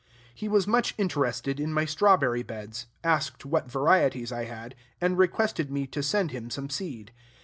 He was much interested in my strawberry beds, asked what varieties I had, and requested me to send him some seed.